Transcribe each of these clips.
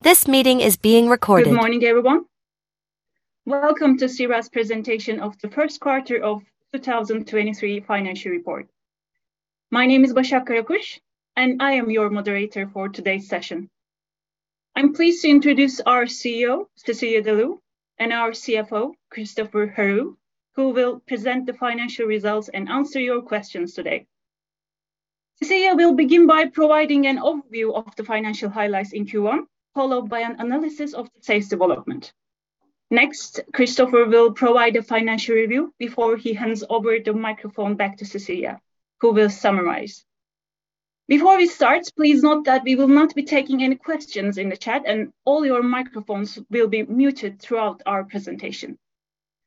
This meeting is being recorded. Good morning everyone. Welcome to C-RAD's Presentation of The First Quarter of 2023 Financial Report. My name is Basak Karakus, and I am your moderator for today's session. I'm pleased to introduce our CEO, Cecilia de Leeuw, and our CFO, Christoffer Herou, who will present the financial results and answer your questions today. Cecilia will begin by providing an overview of the financial highlights in Q1, followed by an analysis of sales development. Next, Christoffer will provide a financial review before he hands over the microphone back to Cecilia, who will summarize. Before we start, please note that we will not be taking any questions in the chat, and all your microphones will be muted throughout our presentation.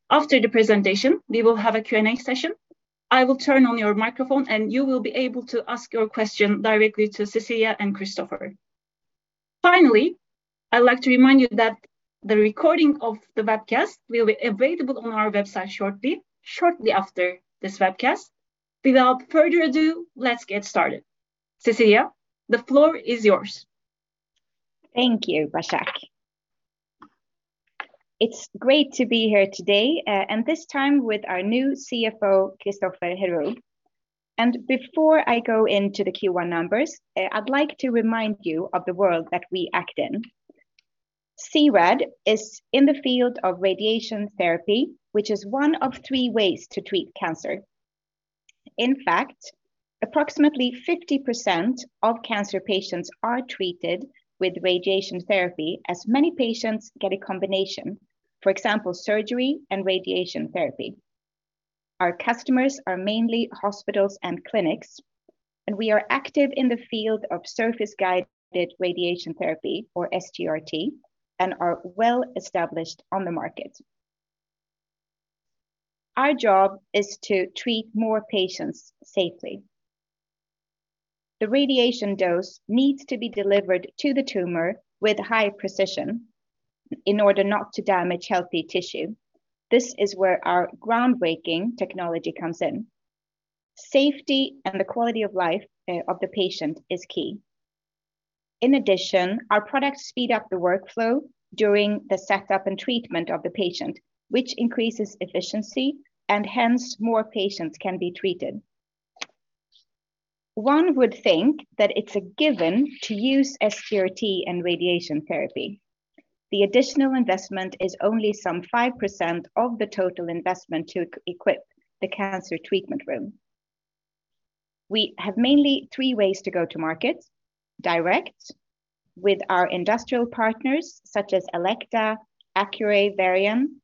After the presentation, we will have a Q&A session. I will turn on your microphone, and you will be able to ask your question directly to Cecilia and Christoffer. Finally, I'd like to remind you that the recording of the webcast will be available on our website shortly after this webcast. Without further ado, let's get started. Cecilia, the floor is yours. Thank you, Basak. It's great to be here today, this time with our new CFO, Christoffer Herou. Before I go into the Q1 numbers, I'd like to remind you of the world that we act in. C-RAD is in the field of radiation therapy, which is one of three ways to treat cancer. In fact, approximately 50% of cancer patients are treated with radiation therapy, as many patients get a combination. For example, surgery and radiation therapy. Our customers are mainly hospitals and clinics, we are active in the field of surface-guided radiation therapy or SGRT and are well-established on the market. Our job is to treat more patients safely. The radiation dose needs to be delivered to the tumor with high precision in order not to damage healthy tissue. This is where our groundbreaking technology comes in. Safety and the quality of life of the patient is key. In addition, our products speed up the workflow during the setup and treatment of the patient, which increases efficiency and hence more patients can be treated. One would think that it's a given to use SGRT in radiation therapy. The additional investment is only some 5% of the total investment to equip the cancer treatment room. We have mainly three ways to go to market: Direct with our industrial partners such as Elekta, Accuray, Varian,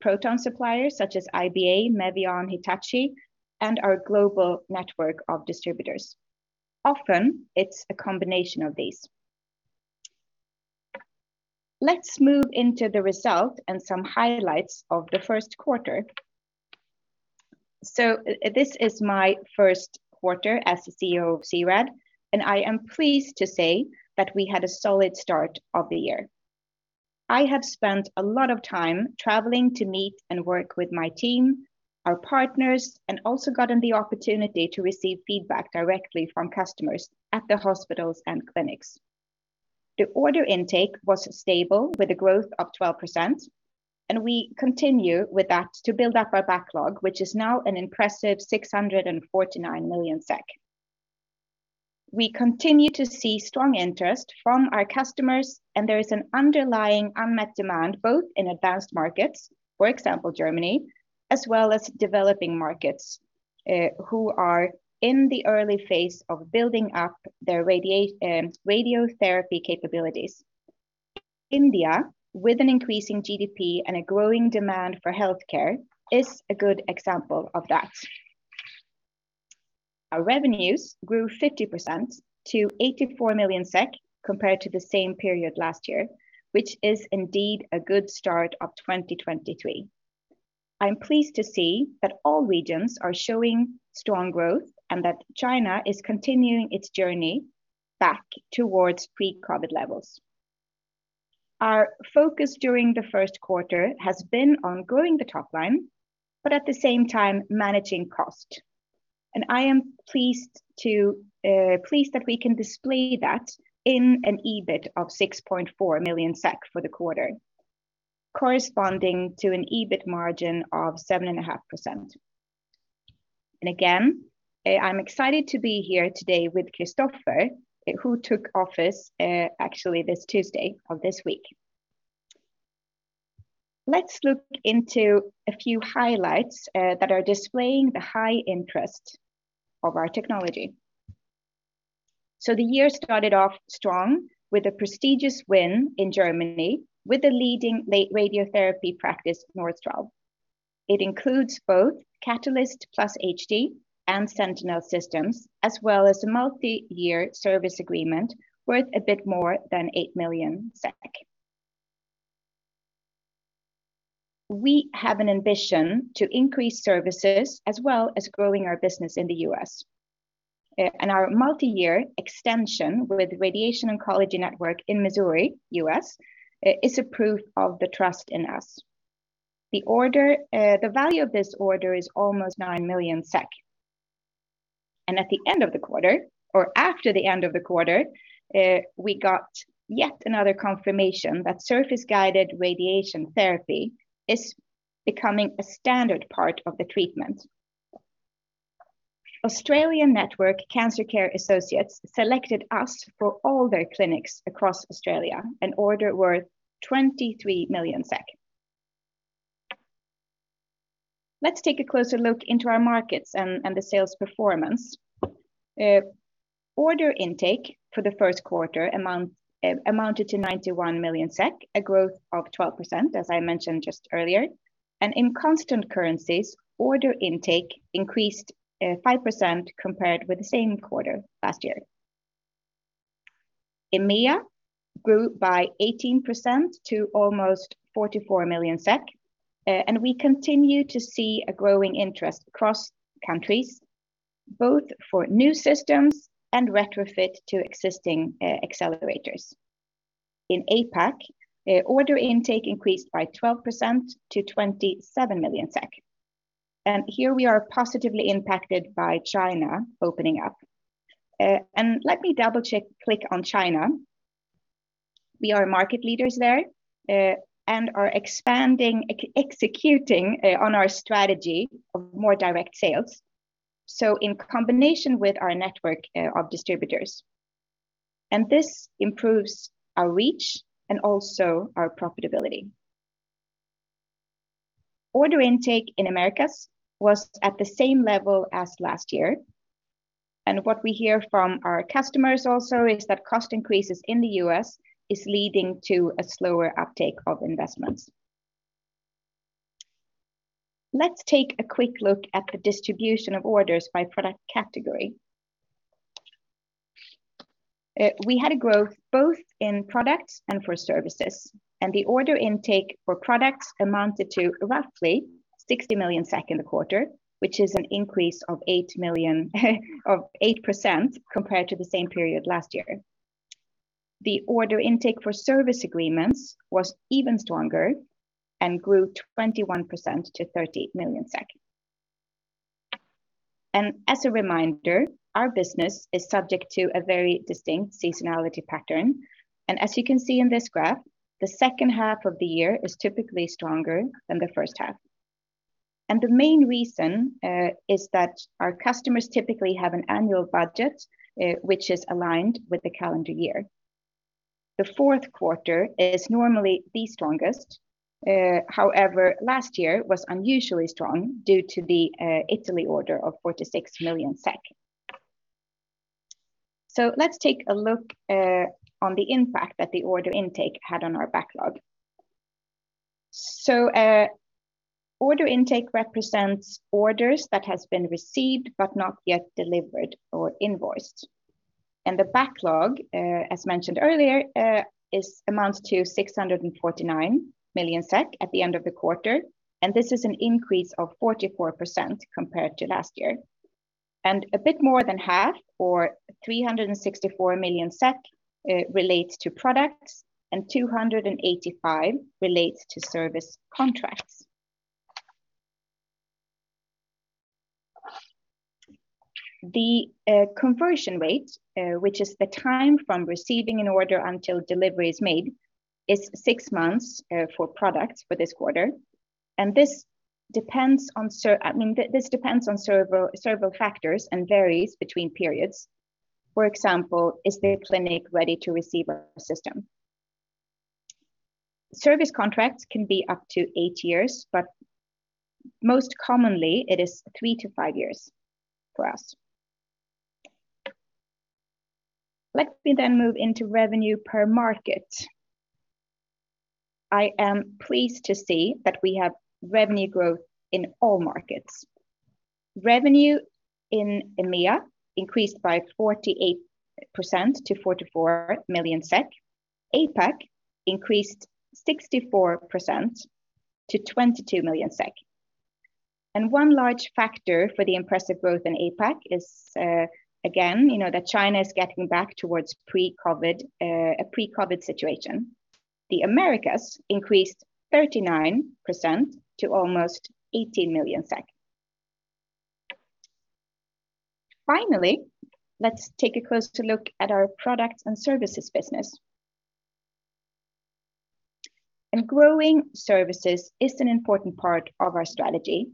proton suppliers such as IBA, Mevion, Hitachi, and our global network of distributors. Often, it's a combination of these. Let's move into the result and some highlights of the first quarter. This is my first quarter as the CEO of C-RAD, and I am pleased to say that we had a solid start of the year. I have spent a lot of time traveling to meet and work with my team, our partners, and also gotten the opportunity to receive feedback directly from customers at the hospitals and clinics. The order intake was stable with a growth of 12%, and we continue with that to build up our backlog, which is now an impressive 649 million SEK. We continue to see strong interest from our customers, and there is an underlying unmet demand, both in advanced markets, for example, Germany, as well as developing markets, who are in the early phase of building up their radiotherapy capabilities. India, with an increasing GDP and a growing demand for healthcare, is a good example of that. Our revenues grew 50% to 84 million SEK compared to the same period last year, which is indeed a good start of 2023. I'm pleased to see that all regions are showing strong growth and that China is continuing its journey back towards pre-COVID levels. Our focus during the first quarter has been on growing the top line but at the same time managing cost. I am pleased that we can display that in an EBIT of 6.4 million SEK for the quarter, corresponding to an EBIT margin of 7.5%. Again, I'm excited to be here today with Christoffer, who took office actually this Tuesday of this week. Let's look into a few highlights that are displaying the high interest of our technology. The year started off strong with a prestigious win in Germany with the leading radiotherapy practice, Nordstrahl. It includes both Catalyst SHD and Sentinel systems, as well as a multi-year service agreement worth a bit more than 8 million SEK. We have an ambition to increase services as well as growing our business in the U.S. Our multi-year extension with radiation oncology network in Missouri, U.S., is a proof of the trust in us. The value of this order is almost 9 million SEK. At the end of the quarter or after the end of the quarter, we got yet another confirmation that surface-guided radiation therapy is becoming a standard part of the treatment. Australian network Cancer Care Associates selected us for all their clinics across Australia, an order worth 23 million SEK. Let's take a closer look into our markets and the sales performance. Order intake for the first quarter amounted to 91 million SEK, a growth of 12%, as I mentioned just earlier. In constant currencies, order intake increased 5% compared with the same quarter last year. EMEA grew by 18% to almost 44 million SEK, and we continue to see a growing interest across countries, both for new systems and retrofit to existing accelerators. In APAC, order intake increased by 12% to 27 million SEK, and here we are positively impacted by China opening up. Let me click on China. We are market leaders there, and are expanding, executing on our strategy of more direct sales, so in combination with our network of distributors. This improves our reach and also our profitability. Order intake in The Americas was at the same level as last year. What we hear from our customers also is that cost increases in the US is leading to a slower uptake of investments. Let's take a quick look at the distribution of orders by product category. We had a growth both in products and for services. The order intake for products amounted to roughly 60 million SEK in the quarter, which is an increase of 8% compared to the same period last year. The order intake for service agreements was even stronger and grew 21% to 30 million. As a reminder, our business is subject to a very distinct seasonality pattern, and as you can see in this graph, the second half of the year is typically stronger than the first half. The main reason is that our customers typically have an annual budget, which is aligned with the calendar year. The fourth quarter is normally the strongest. However, last year was unusually strong due to the Italy order of 46 million. Let's take a look on the impact that the order intake had on our backlog. Order intake represents orders that has been received but not yet delivered or invoiced. The backlog, as mentioned earlier, amounts to 649 million SEK at the end of the quarter, and this is an increase of 44% compared to last year. A bit more than half, or 364 million SEK, relates to products and 285 relates to service contracts. The conversion rate, which is the time from receiving an order until delivery is made, is six months for products for this quarter. This depends on I mean, this depends on several factors and varies between periods. For example, is the clinic ready to receive our system? Service contracts can be up to eight years. Most commonly it is three to five years for us. Let me move into revenue per market. I am pleased to see that we have revenue growth in all markets. Revenue in EMEA increased by 48% to 44 million SEK. APAC increased 64% to 22 million SEK. One large factor for the impressive growth in APAC is again, you know that China is getting back towards pre-COVID, a pre-COVID situation. The AmErikas increased 39% to almost SEK 18 million. Finally, let's take a closer look at our products and services business. Growing services is an important part of our strategy.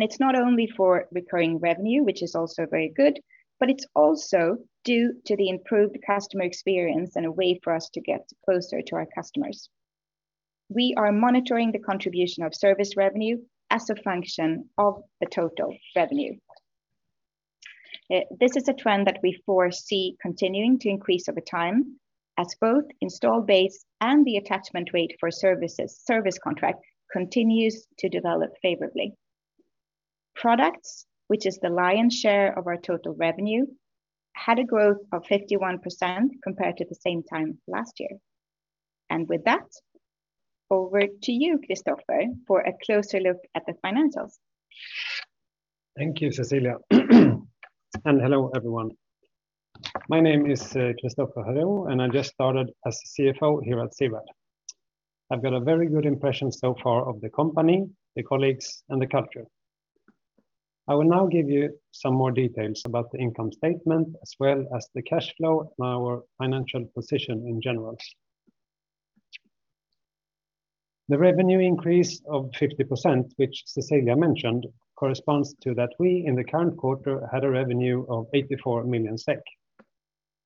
It's not only for recurring revenue, which is also very good, but it's also due to the improved customer experience and a way for us to get closer to our customers. We are monitoring the contribution of service revenue as a function of the total revenue. This is a trend that we foresee continuing to increase over time as both install base and the attachment rate for service contract continues to develop favorably. Products, which is the lion's share of our total revenue, had a growth of 51% compared to the same time last year. With that, over to you, Christoffer, for a closer look at the financials. Thank you, Cecilia. Hello, everyone. My name is Christoffer Herou, and I just started as the CFO here at C-RAD. I've got a very good impression so far of the company, the colleagues, and the culture. I will now give you some more details about the income statement as well as the cash flow and our financial position in general. The revenue increase of 50%, which Cecilia mentioned, corresponds to that we in the current quarter had a revenue of 84 million SEK.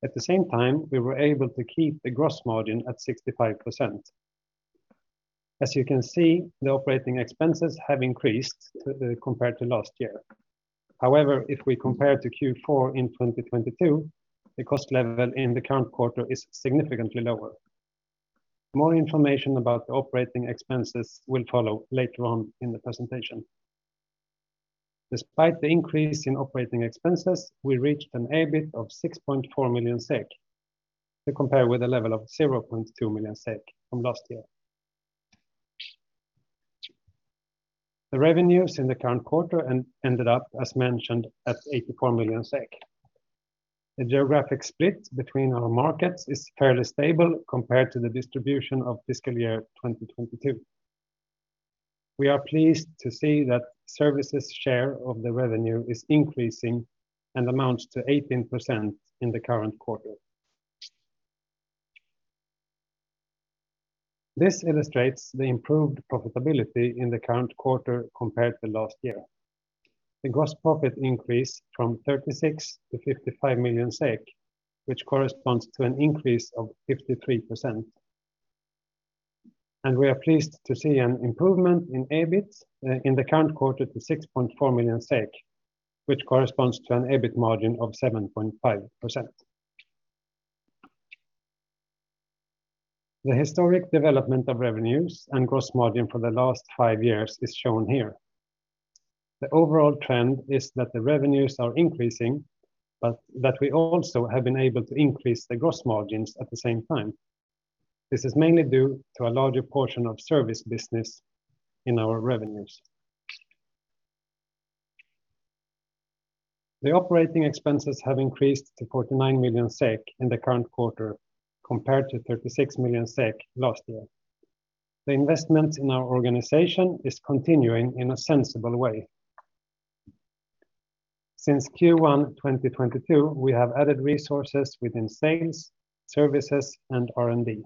At the same time, we were able to keep the gross margin at 65%. As you can see, the operating expenses have increased compared to last year. However, if we compare to Q4 in 2022, the cost level in the current quarter is significantly lower. More information about the operating expenses will follow later on in the presentation. Despite the increase in operating expenses, we reached an EBIT of 6.4 million SEK to compare with a level of 0.2 million SEK from last year. The revenues in the current quarter ended up as mentioned at 84 million SEK. The geographic split between our markets is fairly stable compared to the distribution of fiscal year 2022. We are pleased to see that services share of the revenue is increasing and amounts to 18% in the current quarter. This illustrates the improved profitability in the current quarter compared to last year. The gross profit increased from 36 million-55 million SEK, which corresponds to an increase of 53%. We are pleased to see an improvement in EBIT in the current quarter to 6.4 million SEK, which corresponds to an EBIT margin of 7.5%. The historic development of revenues and gross margin for the last five years is shown here. The overall trend is that the revenues are increasing, but that we also have been able to increase the gross margins at the same time. This is mainly due to a larger portion of service business in our revenues. The operating expenses have increased to 49 million SEK in the current quarter compared to 36 million SEK last year. The investment in our organization is continuing in a sensible way. Since Q1 2022, we have added resources within sales, services, and R&D.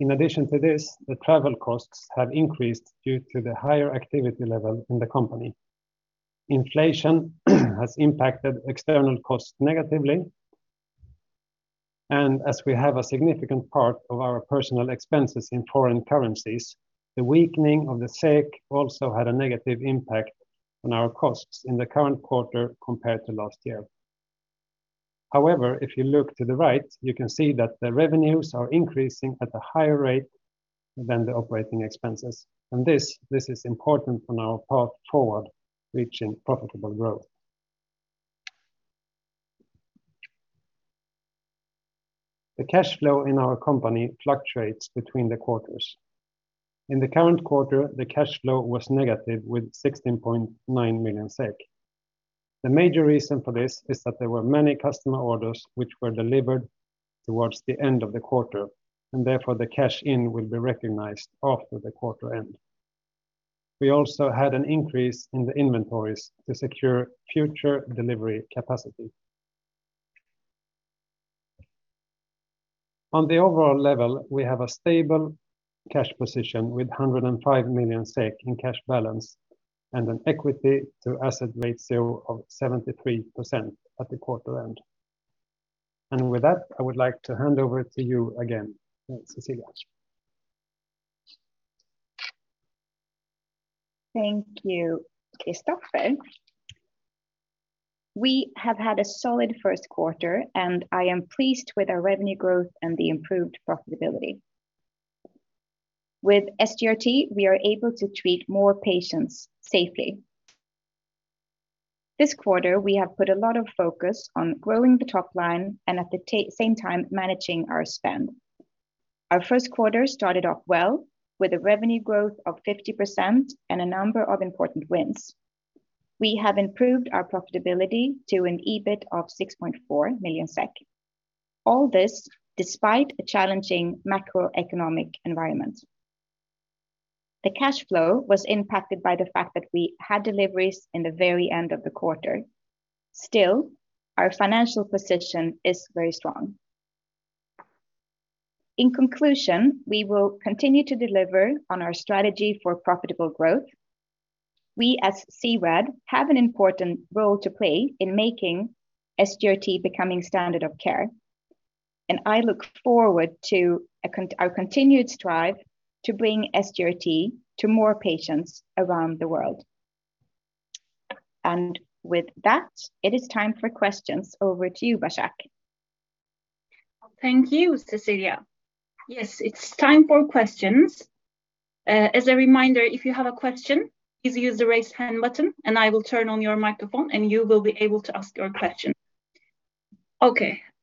In addition to this, the travel costs have increased due to the higher activity level in the company. Inflation has impacted external costs negatively. As we have a significant part of our personal expenses in foreign currencies, the weakening of the SEK also had a negative impact on our costs in the current quarter compared to last year. However, if you look to the right, you can see that the revenues are increasing at a higher rate than the operating expenses. This is important on our path forward reaching profitable growth. The cash flow in our company fluctuates between the quarters. In the current quarter, the cash flow was negative with 16.9 million SEK. The major reason for this is that there were many customer orders which were delivered towards the end of the quarter, and therefore the cash in will be recognized after the quarter end. We also had an increase in the inventories to secure future delivery capacity. On the overall level, we have a stable cash position with 105 million SEK in cash balance and an equity to asset ratio of 73% at the quarter end. With that, I would like to hand over to you again, Cecilia. Thank you Christoffer. We have had a solid first quarter, and I am pleased with our revenue growth and the improved profitability. With SGRT, we are able to treat more patients safely. This quarter, we have put a lot of focus on growing the top line and at the same time managing our spend. Our first quarter started off well with a revenue growth of 50% and a number of important wins. We have improved our profitability to an EBIT of 6.4 million SEK. All this despite a challenging macroeconomic environment. The cash flow was impacted by the fact that we had deliveries in the very end of the quarter. Still, our financial position is very strong. In conclusion, we will continue to deliver on our strategy for profitable growth. We as C-RAD have an important role to play in making SGRT becoming standard of care, I look forward to our continued strive to bring SGRT to more patients around the world. With that, it is time for questions. Over to you, Basak. Thank you, Cecilia. It's time for questions. As a reminder, if you have a question, please use the Raise Hand button, and I will turn on your microphone, and you will be able to ask your question.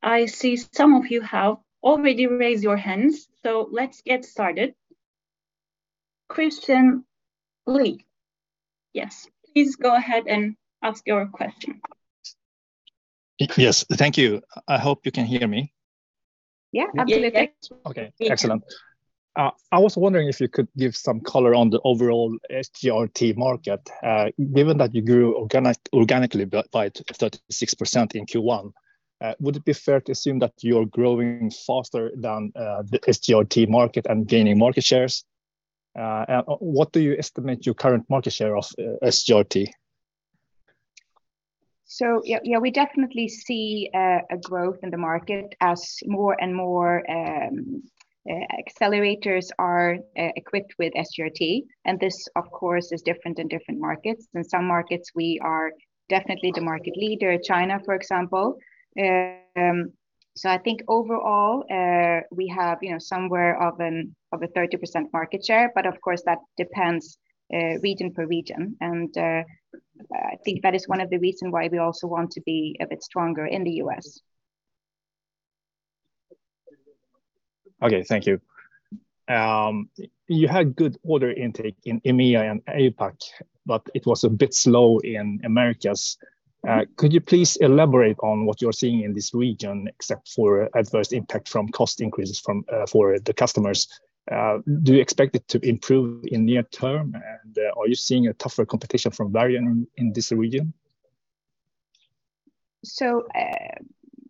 I see some of you have already raised your hands. Let's get started. Christian Lee yes, please go ahead and ask your question. Yes. Thank you. I hope you can hear me. Yeah, absolutely. Yeah, we can. Okay. Excellent. I was wondering if you could give some color on the overall SGRT market? Given that you grew organically by 36% in Q1, would it be fair to assume that you're growing faster than the SGRT market and gaining market shares? What do you estimate your current market share of SGRT? Yeah, we definitely see a growth in the market as more and more accelerators are equipped with SGRT, and this, of course, is different in different markets. In some markets, we are definitely the market leader, China, for example. I think overall, we have somewhere of a 30% market share, but of course, that depends, region per region. I think that is one of the reason why we also want to be a bit stronger in the U.S. Okay. Thank you. You had good order intake in EMEA and APAC. It was a bit slow in Americas. Could you please elaborate on what you're seeing in this region except for adverse impact from cost increases from, for the customers? Do you expect it to improve in near term? Are you seeing a tougher competition from Varian in this region?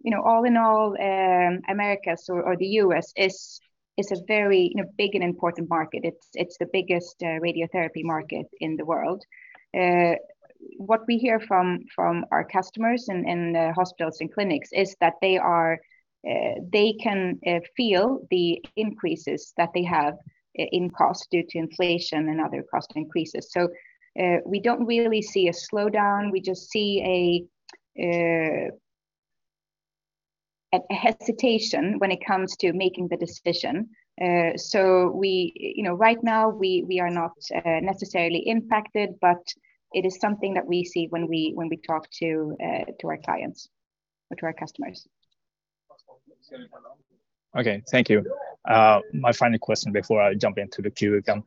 You all know that AmErikas or the U.S. is a very big and important market. It's the biggest radiotherapy market in the world. What we hear from our customers in hospitals and clinics is that they can feel the increases that they have in cost due to inflation and other cost increases. We don't really see a slowdown. We just see a hesitation when it comes to making the decision. We right now, we are not necessarily impacted, but it is something that we see when we talk to our clients or to our customers. Okay. Thank you. My final question before I jump into the queue again.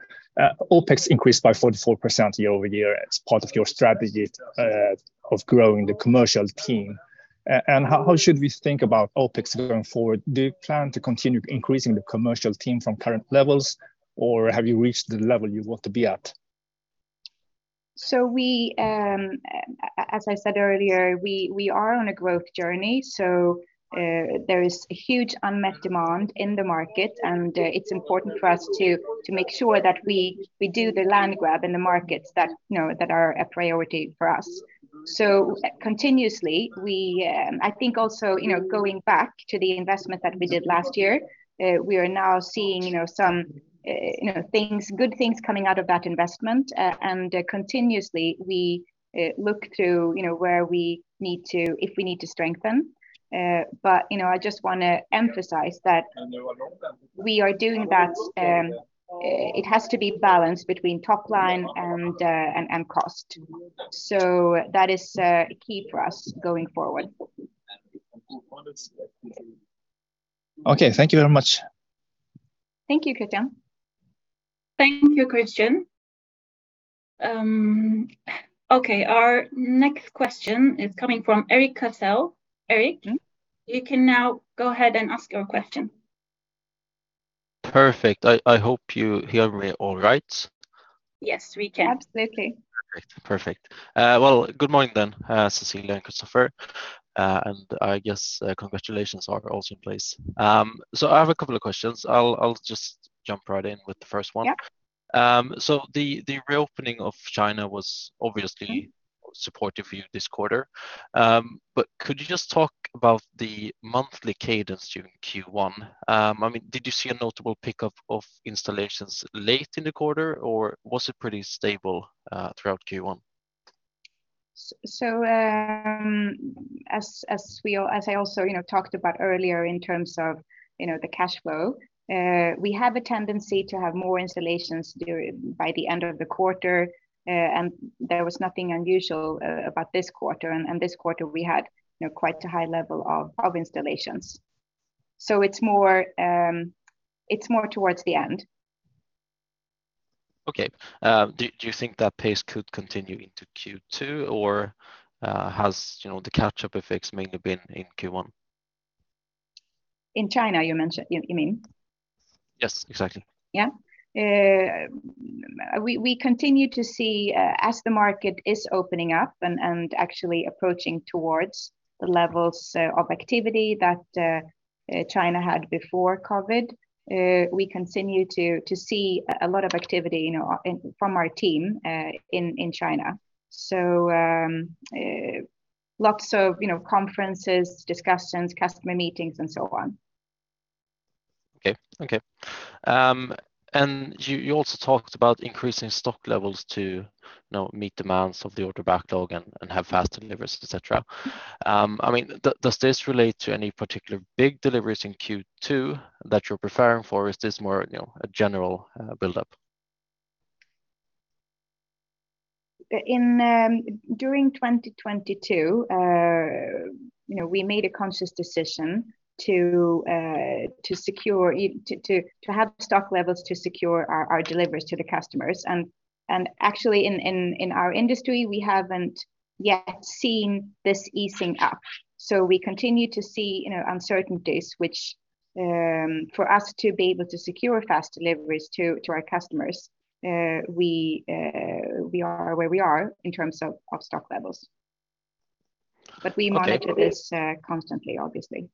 OpEx increased by 44% year-over-year as part of your strategy of growing the commercial team. How should we think about OpEx going forward? Do you plan to continue increasing the commercial team from current levels, or have you reached the level you want to be at? We, as I said earlier, we are on a growth journey. There is a huge unmet demand in the market, and it's important for us to make sure that we do the land grab in the markets that are a priority for us. Continuously, we, going back to the investment that we did last year, we are now seeing,, some good things coming out of that investment. Continuously, we look to, you know, where we need to strengthen. You know, I just wanna emphasize that we are doing that, it has to be balanced between top line and cost. That is key for us going forward. Okay. Thank you very much. Thank you, Christian. Thank you, Christian. Okay. Our next question is coming from Erik Cassel. Erik, you can now go ahead and ask your question. Perfect. I hope you hear me all right. Yes, we can. Absolutely. Perfect. Perfect. Well, good morning then, Cecilia and Christoffer. I guess, congratulations are also in place. I have a couple of questions. I'll just jump right in with the first one. Yeah. The, the reopening of China was obviously supportive for you this quarter. Could you just talk about the monthly cadence during Q1? I mean, did you see a notable pickup of installations late in the quarter, or was it pretty stable throughout Q1? As I also talked about earlier in terms of the cash flow, we have a tendency to have more installations by the end of the quarter. There was nothing unusual about this quarter. This quarter, we had quite a high level of installations. It's more towards the end. Okay. Do you think that pace could continue into Q2, or has, you know, the catch-up effects mainly been in Q1? In China, you mean? Yes, exactly. Yeah. We continue to see, as the market is opening up and actually approaching towards the levels of activity that China had before COVID, we continue to see a lot of activity from our team in China. Lots of conferences, discussions, customer meetings, and so on. Okay. You, you also talked about increasing stock levels to, you know, meet demands of the order backlog and have faster deliveries, et cetera. I mean, does this relate to any particular big deliveries in Q2 that you're preferring for, or is this more, you know, a general buildup? In, during 2022, you know, we made a conscious decision to have stock levels to secure our deliveries to the customers. Actually in our industry, we haven't yet seen this easing up. We continue to see uncertainties which, for us to be able to secure fast deliveries to our customers, we are where we are in terms of stock levels. Okay. we monitor this, constantly, obviously.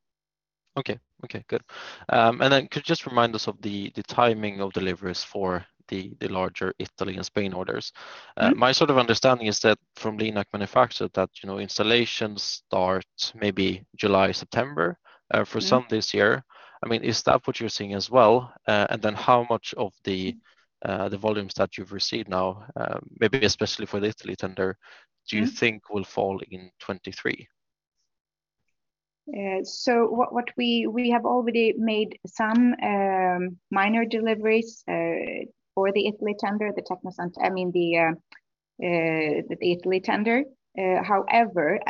Okay. Okay, good. Could you just remind us of the timing of deliveries for the larger Italy and Spain orders? Mm-hmm. My sort of understanding is that from LINAC manufacturer that, you know, installations start maybe July. Mm-hmm for some this year. I mean, is that what you're seeing as well? How much of the volumes that you've received now, maybe especially for the Italy tender? Mm-hmm Do you think will fall in 2023? What we have already made some minor deliveries for the Italy tender.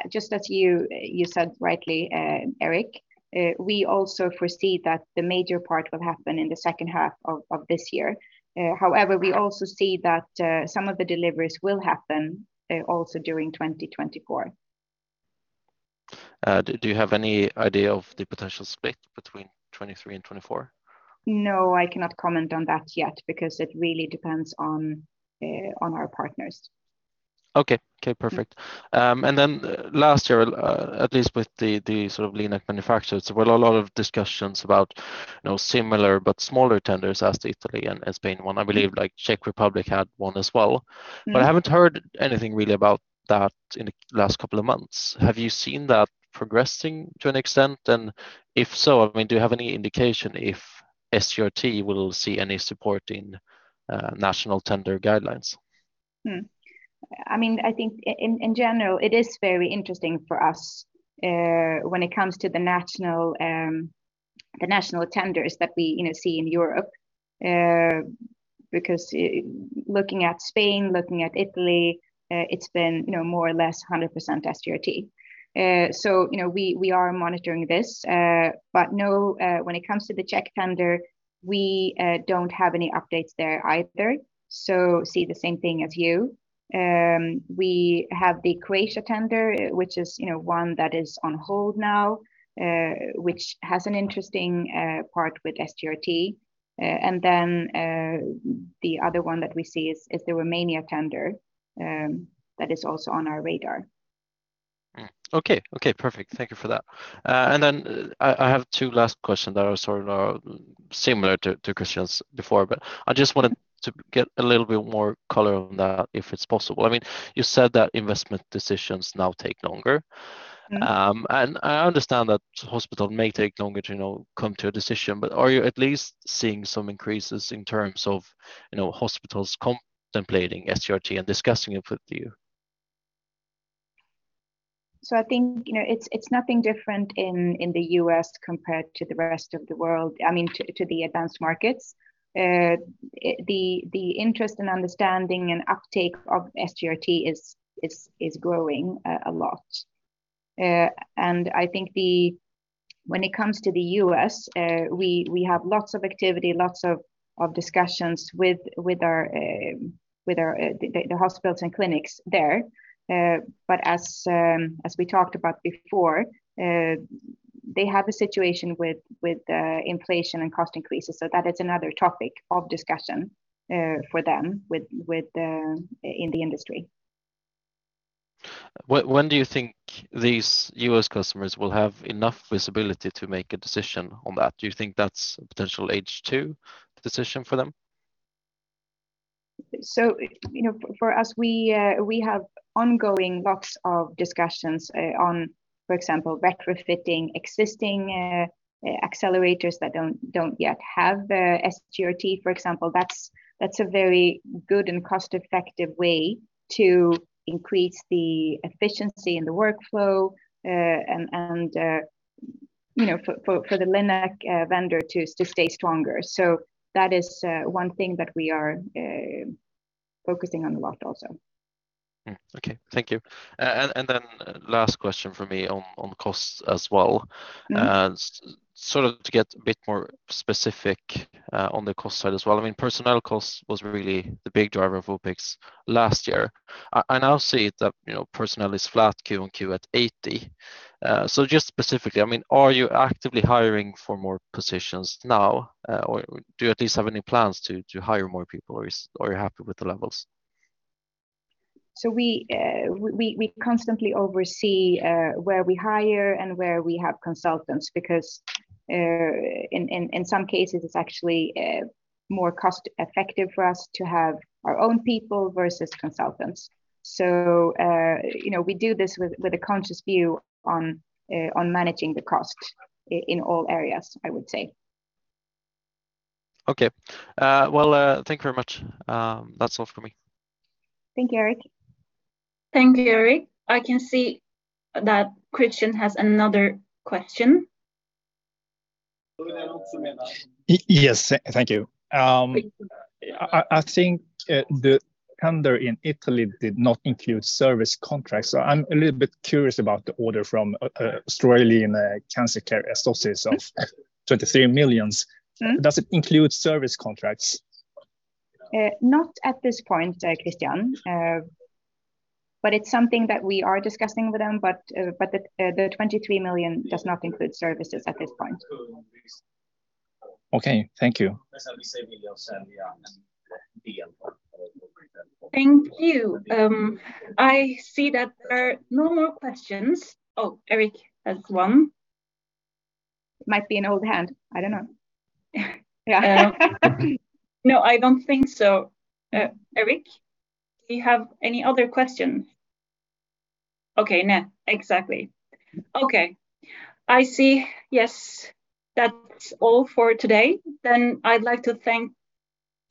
Just as you said rightly, Erik, we also foresee that the major part will happen in the second half of this year. We also see that some of the deliveries will happen also during 2024. Do you have any idea of the potential split between 2023 and 2024? No, I cannot comment on that yet because it really depends on our partners. Okay. Okay, perfect. Last year, at least with the sort of LINAC manufacturers, there were a lot of discussions about, you know, similar but smaller tenders as the Italy and Spain one. I believe like Czech Republic had one as well. Mm-hmm. I haven't heard anything really about that in the last couple of months. Have you seen that progressing to an extent? If so, I mean, do you have any indication if SGRT will see any support in national tender guidelines? I mean, I think in general, it is very interesting for us, when it comes to the national, the national tenders that we see in Europe. Looking at Spain, looking at Italy, it's been, you know, more or less 100% SGRT. We are monitoring this. No, when it comes to the Czech tender, we don't have any updates there either, so see the same thing as you. We have the Croatia tender, which is one that is on hold now, which has an interesting part with SGRT. The other one that we see is the Romania tender, that is also on our radar. Okay. Okay, perfect. Thank you for that. Then I have two last questions that are sort of similar to Christian's before, but I just wanted to get a little bit more color on that if it's possible. I mean, you said that investment decisions now take longer. Mm-hmm. I understand that hospital may take longer to come to a decision, but are you at least seeing some increases in terms of hospitals contemplating SGRT and discussing it with you? I think, you know, it's nothing different in the U.S. compared to the rest of the world, I mean, to the advanced markets. The interest and understanding and uptake of SGRT is growing a lot. And I think when it comes to the U.S., we have lots of activity, lots of discussions with our with our the hospitals and clinics there. But as we talked about before, they have a situation with inflation and cost increases so that is another topic of discussion for them with in the industry. When do you think these US customers will have enough visibility to make a decision on that? Do you think that's a potential H2 decision for them? For us, we have ongoing lots of discussions on, for example, retrofitting existing accelerators that don't yet have SGRT, for example. That's a very good and cost-effective way to increase the efficiency in the workflow, and, you know, for the LINAC vendor to stay stronger. That is one thing that we are focusing on a lot also. Okay. Thank you. Last question for me on costs as well. Mm-hmm. Sort of to get a bit more specific on the cost side as well. I mean, personnel costs was really the big driver of OpEx last year. I now see that, you know, personnel is flat Q on Q at 80. Just specifically, I mean, are you actively hiring for more positions now, or do you at least have any plans to hire more people, or are you happy with the levels? We constantly oversee where we hire and where we have consultants because in some cases, it's actually more cost-effective for us to have our own people versus consultants. We do this with a conscious view on managing the cost in all areas, I would say. Okay. Well, thank you very much. That's all for me. Thank you, Erik. Thank you, Erik. I can see that Christian has another question. Yes. Thank you. I think the tender in Italy did not include service contracts. I'm a little bit curious about the order from Australian Cancer Care Associates of 23 million. Mm-hmm. Does it include service contracts? not at this point, Christian. It's something that we are discussing with them, but the 23 million does not include services at this point. Okay. Thank you. Thank you. I see that there are no more questions. Oh, Erik has one. It might be an old hand. I don't know. No, I don't think so. Erik, do you have any other questions? Okay. Exactly. Okay. I see, yes, that's all for today. I'd like to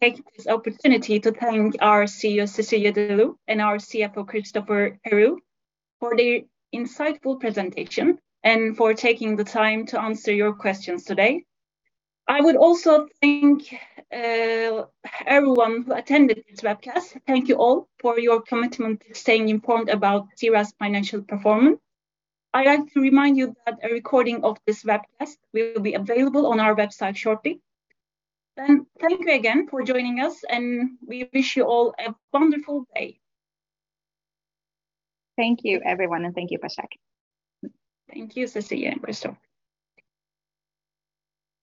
take this opportunity to thank our CEO, Cecilia de Leeuw, and our CFO, Christoffer Herou, for the insightful presentation and for taking the time to answer your questions today. I would also thank everyone who attended this webcast. Thank you all for your commitment to staying informed about C-RAD's financial performance. I'd like to remind you that a recording of this webcast will be available on our website shortly. Thank you again for joining us, and we wish you all a wonderful day. Thank you, everyone, and thank you, Basak. Thank you, Cecilia and Christoffer.